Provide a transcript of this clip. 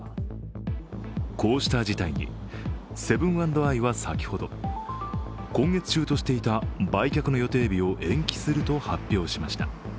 こうした事態にセブン＆アイは先ほど今月中としていた売却の予定日を延期すると発表しました。